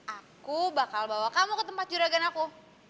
aku bakal bawa kamu ke tempat juragan aku